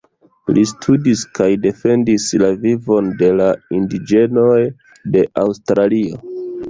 Li studis kaj defendis la vivon de la indiĝenoj de Aŭstralio.